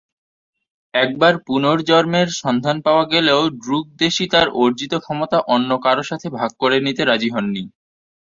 একবার পুনর্জন্মের সন্ধান পাওয়া গেলেও, ড্রুক দেশি তার অর্জিত ক্ষমতা অন্য কারো সাথে ভাগ করে নিতে রাজি হননি।